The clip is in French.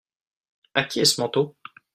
A qui est ce manteau ?